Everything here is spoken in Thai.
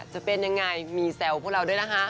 จะเป็นยังไงมีแซวพวกเราด้วยนะคะ